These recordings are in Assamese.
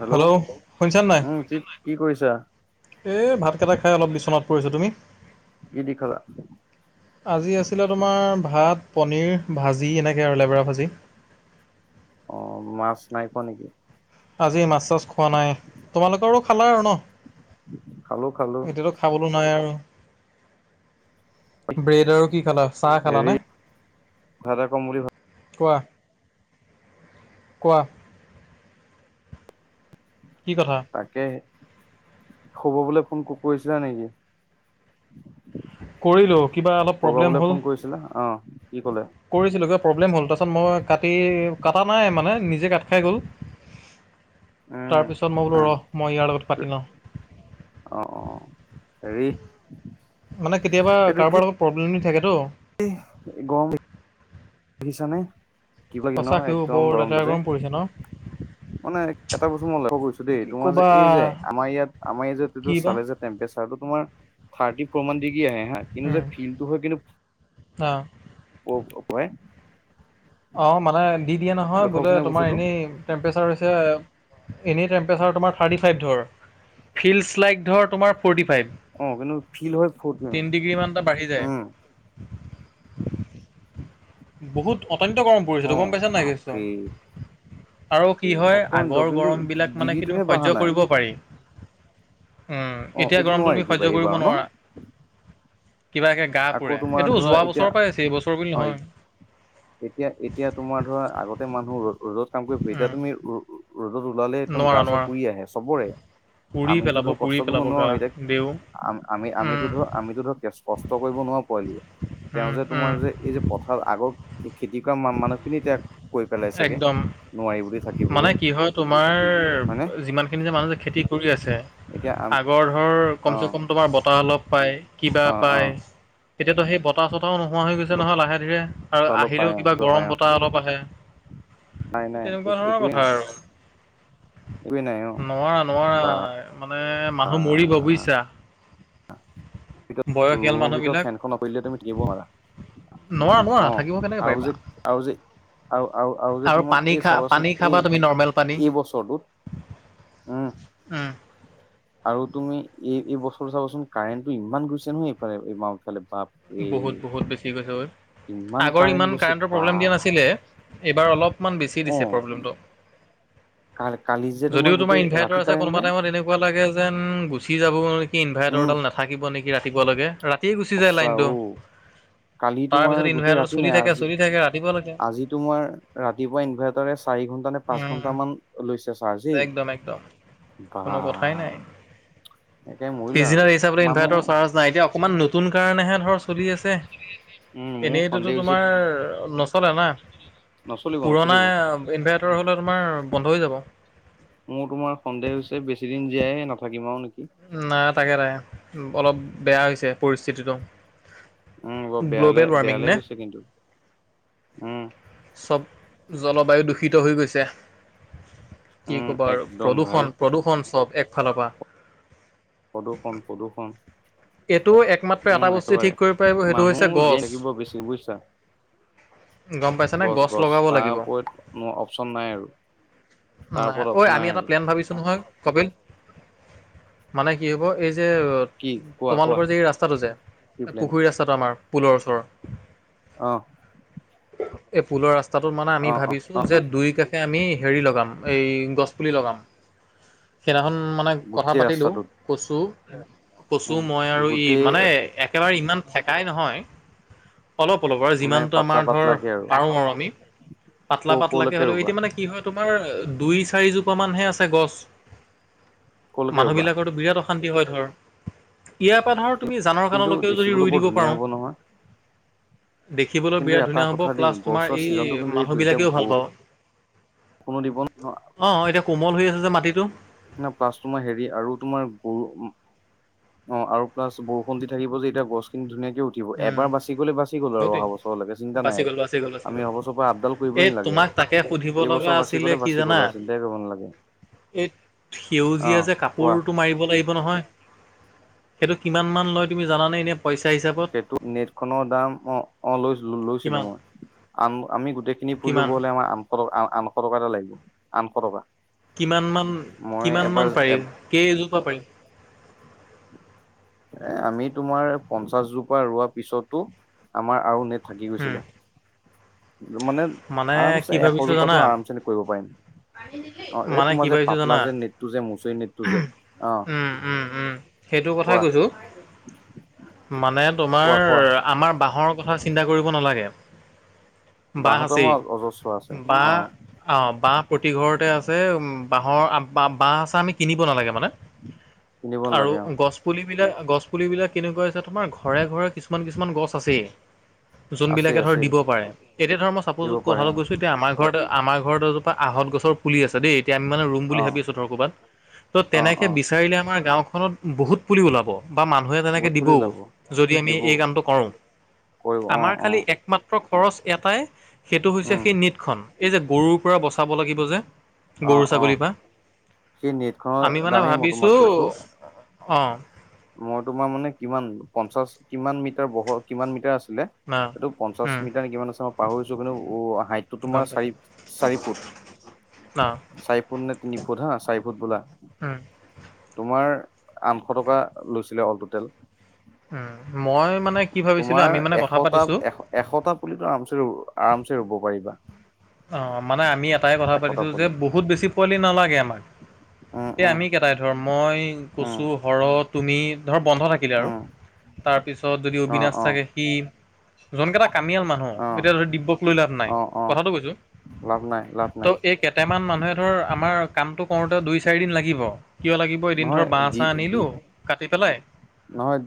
হেল্ল', শুনিছা নাই উম, কি কি কৰিছা? এই ভাতকেইটা খাই অলপ বিচনাত পৰিছোঁ, তুমি? কি দি খালা? আজি আছিলে তোমাৰ ভাত, পনীৰ, ভাজি এনেকে আৰু লেবেৰা ভাজি। অ' মাছ নাই খোৱা নেকি? আজি মাছ চাছ খোৱা নাই, তোমালোকৰো খালা আৰু ন'। খালো খালো [unintelligible] খাবলৈ নাই আৰু। ব্ৰেড আৰু কি খালা, চাহ খালা হেৰি নে? কথা এটা কম বুলি ভাব কোৱা। কোৱা। কি কথা? তাকেহে, [unintelligible] ফোন কৰিছিলা নেকি? কৰিলোঁ কিবা অলপ কৰবা প্ৰব্লেম বোলে হ'ল। ফোন কৰিছিলা? অ কি ক'লে? কৰিছিলোঁ কিবা প্ৰব্লেম হ'ল তাৰপিছত মই কাটি কাটা নাই মানে নিজে কাট খাই গ'ল। উম তাৰপিছত মই বোলো ৰহ, মই ইয়াৰ লগত পাতি লওঁ। অ', অ', হেৰি। মানে কেতিয়াবা এইটো কি কাৰোবাৰ লগত প্ৰব্লেম দি থাকেটো। গৰম দেখিছা নে? সঁচা [unintelligible] সিও বৰ একদম লেতেৰা গৰমটো যে। গৰম পৰিছে ন'। মানে এটা বস্তু মই লক্ষ্য কৰিছোঁ দেই কি তোমাৰ যে ক'বা এই যে আমাৰ ইয়াত আমাৰ যে এইটো কি বা চালে যে টেম্পচাৰটো তোমাৰ থাৰ্টি ফ'ৰ ডিগ্ৰী আহে হা, কিন্তু যে উম ফিলটো হয় কিন্তু অ [unintelligible] অ' মানে দি দিয়ে নহয় লক্ষ্য কৰিছা বোলে নে তোমাৰ বস্তুটো? এনেই টেম্পেৰেচাৰ হৈছে, এনেই টেম্পেৰেচাৰ তোমাৰ থাৰ্টি ফাইভ ধৰ। ফিল্ড স্লাইড ধৰ তোমাৰ ফৰ্টি ফাইভ, অ কিন্তু ফিল হয় ফ টেন ডিগ্ৰীমান এটা বাঢ়ি যায়। উম বহুত অত্যন্ত গৰম অ পৰিছেতো গম পাইছোঁ নাই কেছটো। বাপৰে আৰু কি হয় অপন্ত আগৰ কিন্তু গৰম বিলাক মানে কি ডিগ্ৰীটোহে তুমি বঢ়া সহ্য নাই কৰিব পাৰি। উম, অ এতিয়া এইটো গৰমটো নোৱাৰি তুমি কিবা সহ্য কৰিব এইবাৰ ন নোৱাৰা। কিবাকে গা আকৌ পুৰে, তোমাৰ এইটো ধৰা যোৱা এতিয়া বছৰৰ পৰাই আহিছি এইবছৰ বুলি অ নহয়। এতিয়া এতিয়া তোমাৰ ধৰা আগতে মানুহ ৰ ৰ'দ কাম কৰি ফুৰি এতিয়া উম তুমি ৰ ৰ'দত ওলালে একদম নোৱাৰা গা চা নোৱাৰা পুৰি আহে চবৰে। পুৰি আমিতো পেলাব ধৰ পুৰি কষ্ট কৰিব পেলাব গা নোৱাৰোঁ এতিয়া, দেউ আমি উম আমিতো ধৰ আমিতো ধৰ কেছ কছ [unintelligible] নোৱাৰো [unintelligible] উম, তেওঁ যে উম, তোমাৰ যে এই যে পথাৰ আগৰ খে-খেতি কৰা মানুহখিনিয়ে তেওঁ কৈ পেলাইছেগে। একদম। নোৱাৰি বুলি মানে থাকিবলৈ। কি হয় হয়নে তোমাৰ যিমানখিনি যে মানুহ যে খেতি কৰি আছে এতিয়া আম আগৰ ধৰ অ কমচে কম তোমাৰ বতাহ অলপ পায়, কিবা অ অ পায়। এতিয়াটো সেই বতাহ চতাহও নোহোৱা হৈ গৈছে বতাহ নহয় লাহে ধীৰে। আৰু অলপ পায় আহিলেও অ কিবা পায় গৰম অ বতাহ অলপ আহে, নাই সেই নাই তেনেকুৱা ধৰণৰ একোৱে নাই কথা আৰু। একোৱে নাই অ নোৱাৰা, নোৱাৰা বা মানে মানুহ মৰিব বুজিছা। ভিত বয়সীয়াল ৰুমৰ ভিতৰত মানুহবিলাক ফেনখন অ'ফ কৰিলে তুমি থাকিব নোৱাৰা। নোৱাৰা নোৱাৰা অ', থাকিব কেনেকে আৰু পাৰিবা। যে, আৰু যে আৰু আৰু আৰু যে তোমাৰ পানী এই খা চাবাচোন পানী খাবা তুমি নৰ্মেল এই পানী। এই বছৰটোত উম আৰু তুমি এই, এই বছৰ চাবচোন কাৰেণ্টটো ইমান গৈছে নহয় এইফালে এই আমাৰ ফালে বাপ এই বহুত, বহুত বেছি গৈছে ইমান আগৰ কাৰেণ্ট ইমান গৈছে কাৰেণ্টৰ বা প্ৰব্লেম দিয়া নাছিলে। এইবাৰ অলপমান বেছি অ দিছে প্ৰব্লেমটো। কালি যে যদিও তোমাৰ গোটেই ৰাতি ইনভাৰ্টাৰ আছে কাৰেণ্ট কোনোবা নাই টাইমত এনে কুৱা লাগে যেন গুচি যাব নেকি উম ইনভাৰ্টাৰডাল নাথাকিব নেকি ৰাতিপুৱা লৈকে, ৰাতিয়ে গুচি যায় সঁচা লাইন। দো। অ কালি তোমাৰ গোটেই ৰাতি নাই আজি, চলি থাকে ৰাতিপুৱালৈকে আজি তোমাৰ ৰাত তি পুৱা ইনভাৰ্টাৰে চাৰি ঘন্টা নে পাঁচ উম ঘন্টা মান লৈছে চাৰ্জ হেই। একদম। বা কোনো কথাই নাই। একে মহিলা পিছদিনা আৰু দেখিছা বোলে মানুহ ইনভাৰ্টাৰ চাৰ্জ নাই এতিয়া অকমান নতুন কাৰণেহে ধৰ চলি আছে, উম মোৰ এনেইটোতো সন্দেহ হৈছে তোমাৰ নচলে না। নচলিব পুৰণা নচলিব ইনভাৰ্টাৰ হ'লে তোমাৰ বন্ধ হৈ যাব। মোৰ তোমাৰ সন্দেহ হৈছে বেছি দিন জীয়াই নাথাকিম আৰু নেকি। নাই তাকে, তাকে অলপ বেয়া হৈছে পৰিস্থিতিটো। উম, বৰ বেয়ালৈ গ্ল'বেল ৱাৰ্মিং বেয়ালৈ নে গৈছে কিন্তু, উম। চব জলবায়ু দূষিত হৈ গৈছে। কি উম ক'বা আৰু একদম ভাই প্ৰদূ্ষণ, প্ৰদূৰষণ চব একফালৰ পৰা। প্ৰদূষণ, প্ৰদূষণ। এইটো একমাত্ৰ উম এটা বস্তুৱ ঠিক কৰিব পাৰিব সেইটো হৈছে গছ। চ বেছি বুইছা। গম পাইছানে গছ লগাব তাৰ লাগিব। ওপৰত মোৰ অপচন নাই আৰু তাৰ নাই ওপৰত ঐ অপচন আমি এটা আৰু প্লেন ভাবিছোঁ নহয় কপিল। মানে কি হ'ব এই যে কি কোৱা কোৱা তোমালোকৰ যে ৰাস্তাটো যে কি প্লেন পুখুৰী ৰাস্তাটো আমাৰ পুলৰ ওচৰৰ। অ'। এই পুলৰ ৰাস্তাটোত মানে আমি অ অ অ ভাবিছোঁ যে দুই কাষ ষে আমি হেৰি লগাম, এই গছ পুলি লগাম। সেইদিনাখন মানে কথা গোটেই পাতিলোঁ, ৰাস্তাটোত কচু। কচু, উম মই আৰু ই গোটেই মানে একেবাৰে ইমান থেকাই নহয়। অলপ, অলপ আৰু মানে যিমানটো পাতলা আমাৰ ধৰ পাতলাকে পাৰোঁ আৰু আমি ক পাতলা পাতলাকে কলৈকে হ'লেও, ৰুবা এতিয়া মানে কি হয় তোমাৰ দুই চাৰিজোপা মানহে আছে গছ। কলৈকে ৰুবা মানুহবিলাকৰো বিৰাট অশান্তি হয় ধৰ, ইয়াৰ পা ধৰ তুমি জানৰ কিন্তু কাললৈকেও যদি দেখিবলৈ ই বৰ দিব ধুনীয়া পাৰোঁ। হ'ব নহয় দেখিবলৈ কিন্তু বিৰাট এটা ধুনীয়া হ'ব কথা দেই প্লাছ তোমাৰ গছৰ এই ছিজনটো কিন্তু এইটো এতিয়া মানুহবিলাকেও ভাল পাব বৰষুণ ষুণো দিব নহয়। অ', অ', এতিয়া কোমল হৈ আছে যে মাটিটো। না প্লাছ তোমাৰ হেৰি আৰু তোমাৰ গৰু অ', আৰু প্লাছ বৰষুণ দি থাকিব যে এতিয়া গছখিনি ধুনীয়াকে উঠ ঠিব উম এবাৰ বাচি গ'লে বাচি গ'ল আৰু সেইটোৱে অহা বছৰলৈকে চিন্তা নাই বাচি আৰু গ'ল বাচি গ'ল বাচি আমি গ'ল অহা বছৰৰ পৰা আপডাল এই কৰিবই নালাগে তোমাক আৰু। তাকে সুধিব লগা এইবছৰ বাছি আছিলে গ'লে কি বাচি গ'ল জানা আৰু চিন্তাই কৰিব নালাগে। এই অ সেউজীয়া যে কোৱা কাপোৰটো মাৰিব লাগি ব নহয়, সেইটো কিমান মান লয় তুমি জানানে এনেই পইচা হিচাপত? তোৰ নেটখনৰ দাম অ অ' লৈ লৈছিলো, কিমান মই আন আমি গোটেইখিনি পৰি কিমান ল'ব হ'লে আমাৰ আন শ টকা, আ-আঠশ টকা এটা লাগিব আঠশ টকা। কিমান মান, মই কিমান এবাৰ মান পাৰি, কেইজোপা পাৰি? এ, আমি তোমাৰ পঞ্চাশজোপা ৰোৱা পিছতো আমাৰ আৰু নেট থাকি উম গৈছিলে। মানে কি আৰামচে ভাবিছো জানা এশজোপাতো আৰামচে কৰিব পাৰিম, আৰু এই মানে তোমাৰ কি যে ভাবিছো পাতলা জানা যে নেট টো যে মুচৰি নেটটো যে, অ'। উম উম উম সেইটো কথাই কোৱা কৈছোঁ, মানে কোৱা তোমাৰ কোৱা আমাৰ বাঁহৰ কথা চিন্তা কৰিব নালাগে। বাঁহ বাহত আছেই মোৰ অজস্ৰ আছে বাঁহ অ'। অ' বাঁহ প্ৰতি ঘৰতে আছে, বাঁহৰ বাঁহ চা আমি কিনিব নালাগে মানে। কিনিব আৰু নালাগে অ গছ পুলিবিলাক গছ পুলিবিলাক কেনেকুৱা আছে তোমাৰ ঘৰে ঘৰে কিছুমান কিছুমান গছ আছেই। আছেই যোনবিলাকে ধৰ আছেই দিব পাৰে, এতিয়া ধৰ মই চাপোজ দিব পাৰে কথাটো কৈছোঁ এতিয়া আমাৰ ঘৰতে, আমাৰ ঘৰত এজোপা আহত গছৰ পুলি আছে দেই, এতিয়া আমি মানে ৰুম অ অ বুলি ভাব আছো ধৰ ক'ৰবাত ত' অ তেনেকে অ বিচাৰিলে আমাৰ গাওখনত বহুত পুলি ওলাব। বা মানুহে ভোট তেনেকে পুলি দিবও ওলাব যদি আমি দিব এই কামটো কৰোঁ। কৰিব অ আমাৰ অ খালি একমাত্ৰ খৰচ এটাই সেইটো হৈছে উম সেই নীট খন এই যে গৰুৰপৰা বচাব লাগিব যে, অ গৰু অ ছাগলীৰপৰা সেই নেট আমি মানে ভাবিছোঁ, অ'। মই তোমাৰ মানে কিমান পঞ্চাশ, কিমান মিটাৰ বহ কিমান মিটাৰ আছিলে? না এইটো পঞ্চাশ উম মিটাৰ কিমান আছে মই পাহৰিছোঁ কিন্তু হাইট টো গম তোমাৰ পাইছোঁ চাৰি চাৰি ফুট। অ চাৰি ফুট নে তিনি ফুট হা, চাই ফুট বোলা। হুম। তোমাৰ আঠশ টকা লৈছিলে অল টুটেল। উ, মই মানে কি ভাবিছিলোঁ, আমি মানে কথা এশটা পাতিছোঁ এশ এশটা পুলিতো আৰামছে-আৰামছে ৰুব পাৰিবা। অ' মানে আমি এটাই কথা এশটা পাতিছত যে পুলি বহুত বেছি পোৱালি নালাগে আমাক। উম এতিয়া উম আমিকেইটাই ধৰ মই, উম কছো হ, তুমি ধৰ বন্ধ থাকিলে আৰু উম তাৰপিছত যদি অ অবিনাশ অ থাকে সি, যোনকেইটা কামিয়াল মানুহ, অ এতিয়া ধৰি ডিব্যক লৈ লাভ অ নাই অ কথাটো কৈছোঁ। লাভ নাই লাভ ত' নাই এইকেইটামান মানুহে ধৰ আমাৰ কামটো কৰোতে দুই চাৰি দিন লাগিব। কিয় লাগিব, এদিন ধৰ নহয় বাহ দি চাহ দি আনিলোঁ, কাটি পেলাই নহয়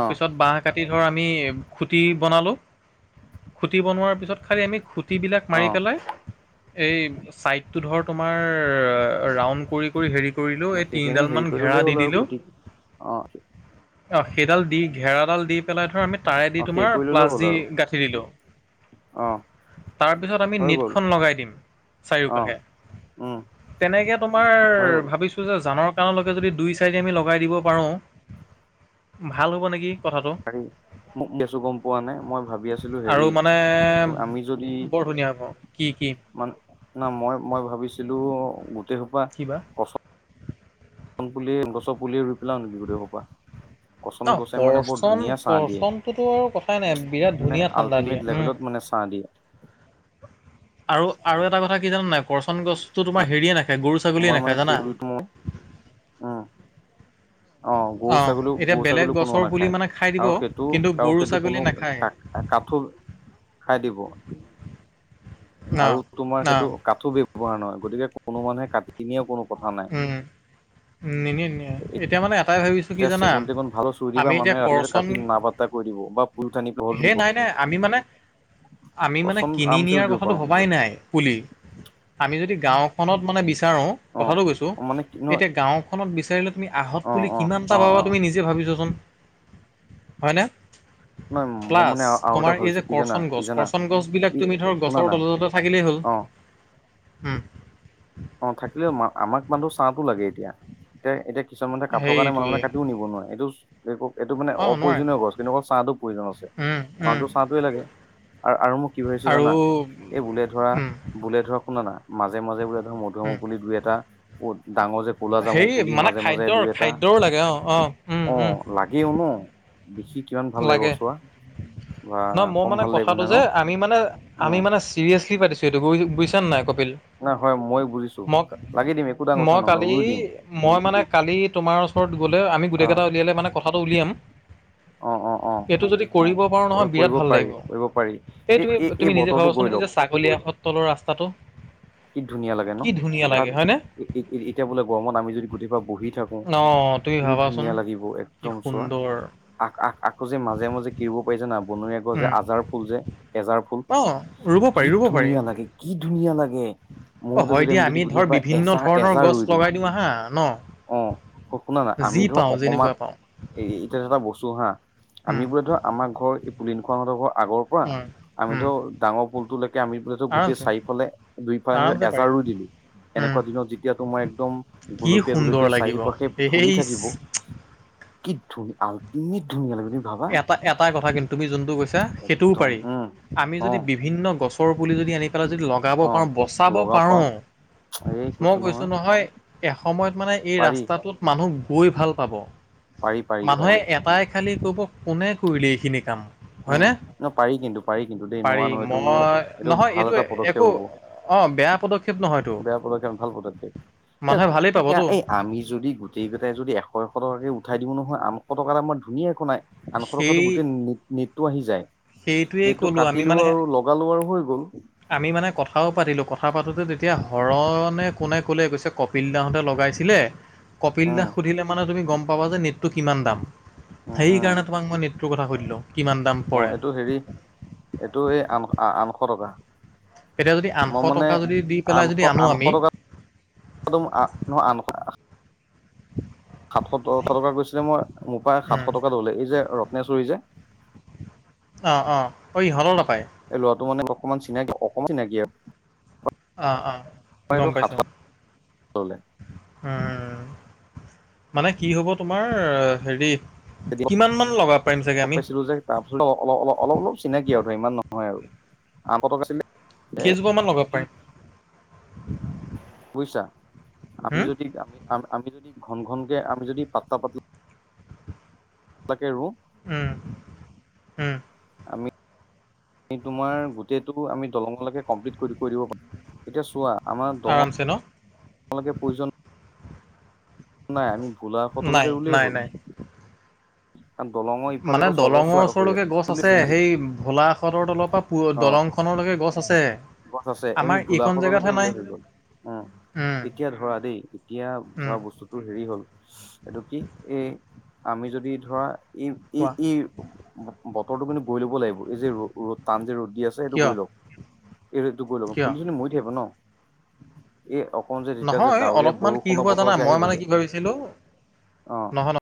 অ বাঁহ কাটি ধৰ আমি খুটি বনালোঁ, খুটি বনোৱাৰ পিছত খালি আমি খুঁটিবিলাক মাৰি অ পেলাই, এই চাইডটো ধৰ ৰাউণ্ড কৰি কৰি হেৰি কৰিলোঁ, অ এই সেইখিনি তিনিডাল হেৰি মান কৰি ঘেৰা ললেই দি হ'ল আৰু দিলোঁ। কুটি অ' সেইডাল দি, ঘেৰাডাল দি পেলাই ধৰ আমি তাৰে দি অ সেই তোমাৰ কৰি ললেই প্লাছ হ'ল দি আৰু গাঁঠি দিলোঁ। অ'। তাৰপিছত আমি হৈ গ'ল নীটখন লগাই দিম অ চাৰিওকাষে। উম তেনেকে তোমাৰ হৈ গ'ল ভাবিছোঁ টোযে জানৰ কাৰলৈকে যদি দুই চাইডি আমি লগাই দিব পাৰোঁ, ভাল হ'ব নেকি। কথাটো পাৰি, মোক বছো গ'ম পোৱা নে, মই ভাবি আছিলো আৰু হেৰি মানে ত' আমি যদি বৰ ধুনীয়া হ'ব। কি কি? মান না মই মই ভাবিছিলোঁ গোটেই সোপা কিবা? পুলিয়ে গছৰ পুলিয়ে ৰুই পেলাও নেকি গোটেই সোপা? ন কচন গছে মানে বৰ কৰচন ধুনীয়া চাহ দিয়ে কৰচনটোতো আৰু কথাই নাই বিৰাট মানে ধুনীয়া ঠাণ্ডা আল্টিমেট দিয়ে উম। লেভেলত মানে চাহ দিয়ে আৰু আৰু এটা কথা কি জানা নাই কৰচন গছতো তোমাৰ হেৰিয়ে নাখায় গৰু মই ছাগলীয়ে মানে নাখায় সেই জানা পুলিটো মই উম অ গৰু অঁ ছাগলী এতিয়া গৰু বেলেগ ছাগলী কোনোও গছৰ পুলি নাখায় মানে খাই দিব আৰু সেইটো কিন্তু কাৰ গৰু সেইটো ছাগলী নাখায়। কোনোাক কাঠোৰ খাই দিব ন আৰু তোমাৰ ন সেইটো কাঠো ব্যয়ৱহাৰ নহয় গতিকে কোনো মানুহে কাটি নিয়েও কোনো কথা নাই উ উ নিয় নিয় এতিয়া মানে এটাই ভাবিছো কি এতিয়া জানা চেগুন তেগুন ভালো চুই দিবা আমি এতিয়া মানুহে ৰাতে কৰচন কাটি না পাত্তা কৰি দিব বা পুল টানি ঘৰত সেই দিব। নাই নে আমি মানে আমি মানে কচম কিনি আৰামচে ৰুই নিয়াৰ দিব কথাটো ভবাই পাৰো নাই পুলি আমি যদি গাঁওখনত মানে বিচাৰোঁ অ কথাটো কৈছোঁ মানে কি নহয় এতিয়া গাঁওখনত বিচাৰিলে তুমি আহত অ বুলি অ কিমানটা অ পাবা অ তুমি নিজে ভাবিছচোন হয়নে নহয় মই প্লাছ মানে আৰু এটা তোমাৰ এই ভাবিছো যে কি জানা কৰচন গছ কি জানা কৰচন গছ বিিলাক ই তুমি ধৰ শুনা গছৰ না তলে ততে থাকিলেই হ'ল অ হম অ থাকিলেও আমাক মানুহ চাহো লাগে এতিয়া এতিয়া এতিয়া কিছুমানে কাঠৰ কাৰে মনে সেইটোৱে মনে কাটিও নিব নোৱাৰে এইটো এইটো মানে অ নোৱাৰে অপ্ৰয়োজনীয় গছ কিন্তু অকল ছাঁটোো প্ৰয়োজন আছে উম উম আমাকতো ছাঁটোৱে লাগে আৰু আৰু মই কি ভাবিছো আৰু জানা এই বোলে ধৰা উম বোলে ধৰক শুনা না মাজে মাজে বোলে ধৰক মধুম উম পুলি দুই এটা উ ডাঙৰ যে কলা জামু সেই পুলি মানে মাজে মাজে খাদ্যৰ দুই এটা খাদ্যৰো লাগে অ অ উম অ উম লাগেও ন দেখি কিমান ভাল লাগিব চোৱা বা নহ মোৰ কম মানে ভাল লাগিব কথাটো নে ন যে আমি মানে আমি উম মানে চিৰিয়াচলি পাইছো সেইটো ব বুজছ নাই কপিল নাই হয় মই বুজিছো মই লাগি দিম একো ডাঙৰ কথা মই নহয় কালি ৰুই দিম মই মানে কালি তোমাৰ ওচৰত গলে আমি গোটেই কেইটা উলিয়ালে মানে ক পথথাটো উলিয়াম অ অ অ টো যদি কৰিব পাৰো নহয় কৰিব বিৰাট ভাল পাৰি কৰিব পাৰি লাগিব এই তুমি তুমি নিজে বতৰটো গৈ ভাবাচোন লওক কলিয়াসত তলৰ ৰাস্তাটো কি ধুনীয়া লাগে ন কি ধুনীয়া তাত লাগে হয়নে এতিয়া বোলে গৰমত আমি যদি গোটেইব বহি থাকো অ তুমি ই ভাবাচোন ধুনীয়া লাগিব কি একদম চোৱা সুন্দৰ আ আখ আকৌ যে মাজে মাজে কিনিব পাৰিছো না বনৰীয়া গছ যে উম আজাৰ ফুল যে এজাৰ ফুল অ ৰুব কি পাৰি ৰুব পাৰি ধুনীয়া লাগে কি ধুনীয়া লাগে অ মহতে হয় যদি দিয়া আমি যদি পুঠি ধৰ পা বিভিন্ন এজাহ ধৰণৰ এজাহ গছ ৰুই দিওঁ লগাই আহা ন আহ শুনা নাই যি আমি ধৰ পাওঁ অকমান যেনেকুৱা পাওঁ এতিয়া এটা বস্তু হা আমি উম বোৰে ধৰ আমাৰ ঘৰ এই পুলিন খোৱাঁতৰ আগৰ ৰা উম উম আমিতো ডাঙৰ পুলটো লৈকে আমি পোলে গোটেই আৰামছে চাৰিওফালে দুইফাল আৰামছে পাৰিম এজাৰো দিলো উম এনেকুৱা দিনত যেতিয়া তোমাৰ একদম কি গুলপীয়া সুন্দৰ গুলপীয়া লাগিব চাহি পাশে ফুলি থাকিব এইচ কি ধুন আলটিমেত কিমিত ধুনীয়া লাগিব এটা এটা কথা কিন্তু তুমি যোনটো কৈছা সেইটোও একদম পাৰি উম আমি অ যদি বিভিন্ন গছ ৰ পুলি যদি আনি পেলাই যদি লগাব অ পাৰো বচাব পাৰো মই কৈছো নহয় এসময়ত মানে এই পাৰি ৰাস্তাটোত মানুহ গৈ ভাল পাব পাৰি পাৰি মানুহে পাৰি এটাই খালী কব কোনে কৰিলে এইখিনি কাম উম হয়নে? ন পাৰি কিন্তু পাৰি কিন্তু দেই নোৱা পাৰি নহয় এইটো মই এইটো নহয় ভাল এটা পদক্ষেপ একো হব অঁ বেয়া পদক্ষেপ নহয়তো বেয়া পদক্ষেপ নহয় ভাল পদক্ষেপ মানুহে ভালেই এ পাবতো এই আমি যদি গো গোটেই কেইটাই যদি এশ এশ টকাকে উঠাই দিও নহয় আঠশ টকা দামৰ ধুনীয়া একো নাই আঠশ টকাতটো সেই গোটেই নেটটো আহি যায় সেইটোৱেই নেটটো ক'লোঁ আমি কাটিলো মানে আৰু লগালো আৰু হৈ গ'ল আমি মানে কথাও পাতিলোঁ কথা পাতোতে তেতিয়া হৰণে কোনে ক'লে গৈছে কপিল দাহতে লগাইছিলে কপিল দা উম সুধিলে মানে তুমি গম পাবা যে নেটটো কিমান দাম উম সেই উম কাৰণে তোমাক মই নেটটোৰ কথা সুধিলো কিমান দাম অ পৰে এইটো হেৰি এইটো এই আন আনশ টকা এতিয়া যদি আঠশ মই মানে টকা যদি দি পেলাই যদি আনশ আনো আমি আনশ টকা দম আ ন আন কৰা [unintelligible] সাতশ টা টকা গৈছিলে মই মোৰ পৰাায় সাতশ টকা ধলে এই যে ৰত্নেশ্বৰী যে অ অ ইহল নাপাই এই ল'ৰাটো মানে অকমান চিনাকি অকমান চিনাকি আৰু অ অ গম এইটো পাইছোঁ সাতশ ললে উম মানে কি হব তোমাৰ হেৰি কিমানমান লগাব পাৰিম চাগে আমি পছ ৰজ [unintelligible] তাৰপিছত অলপ অলপ অলপ অলপ চিনাকি আৰু ইমান নহয় আৰু আঠশ টকা আছিলে কেইজোপা মান লগাব পাৰিম বুজিছা আমি হুম? যদি আমি যদি ঘন ঘনকে আমি যদি পাতলা পাতলা তাকে ৰওঁ উম উম আমি তোমাৰ গোটেইটো আমি দলঙলৈকে কমপ্লিট কৰি কৰি দিব পাৰো এতিয়া চোৱা আমাৰ দঙৰোকে আৰামছে ন [unintelligible] [unintelligible] প্ৰয়োজন নাই আমি ভোলাখতৰ নাই লৈকে ৰুলেই নাই নাই কাৰণ দলঙৰ ইফালে মানে অজস্ৰ দলঙৰ হৈ ওচৰলৈকে গছ আছে সেই ভোলাখঁতৰ তলৰ পৰা প দলং অ খনৰলৈকে গছ আছে গছ আছে এমি আমাৰ ভোলা এইকণ সদলৈকে জেগাতহে নাই ৰুলে হৈ গ'ল উ উম এতিয়া ধৰা দেই এতিয়া উম ধৰা বস্তু হেৰি হ'ল এইটো কি এই আমি যদি ধৰা কোৱা ই বতৰটো কিন্তু গৈ ল'ব লাগিব এই যে ৰ ৰ'দ টান যে ৰ'দ দি আছে সেইটো কিয় গৈ লওক এইটো ৰ'দটো গৈ লওক। কিয় পৰি চৰি মৰি থাকিব ন এই অকণ যে যেতিয়া যে নহয় ডাৱৰীয়া অলপমান কি বৰষুণৰ হ'ব বতৰ জানা যে মই আহিব মানে যে কি ভাবিছিলো অ নহয় নহ